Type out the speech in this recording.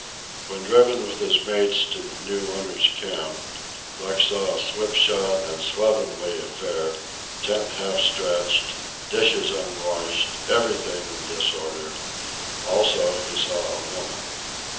When driven with his mates to the new owners' camp, Buck saw a slipshod and slovenly affair, tent half stretched, dishes unwashed, everything in disorder; also, he saw a woman.